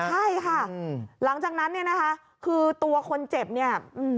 ใช่ค่ะหลังจากนั้นเนี่ยนะคะคือตัวคนเจ็บเนี่ย